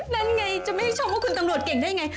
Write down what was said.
นั่นไงจะไม่ให้ชมว่าคุณตำรวจเก่งได้ไง